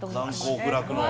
難攻不落の。